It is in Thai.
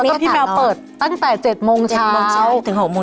แล้วก็พี่แมวเปิดตั้งแต่๗โมงเช้าถึง๖โมงเย็น